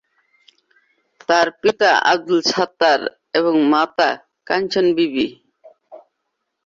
তার পিতা আব্দুল সত্তার এবং মাতা কাঞ্চন বিবি।